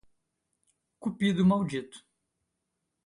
Cupido maldito